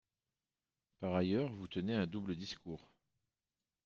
Par ailleurs, vous tenez un double discours.